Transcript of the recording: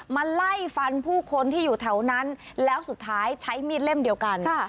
มาไล่ฟันผู้คนที่อยู่แถวนั้นแล้วสุดท้ายใช้มีดเล่มเดียวกัน